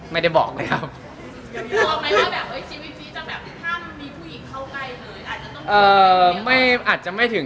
แล้วเขาบอกไหมครับว่าจะมีได้ช่วงไหน